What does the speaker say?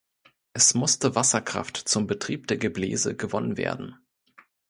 Es musste Wasserkraft zum Betrieb der Gebläse gewonnen werden.